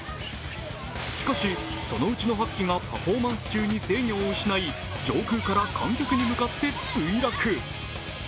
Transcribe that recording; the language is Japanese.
しかし、そのうちの８機がパフォーマンス中に制御を失い、上空から観客に向かって墜落。